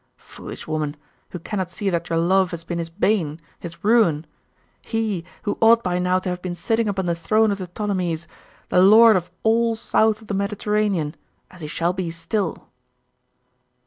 Foolish woman, who cannot see that your love has been his bane, his ruin! He, who ought by now to have been sitting upon the throne of the Ptolemies, the lord of all south of the Mediterranean as he shall be still!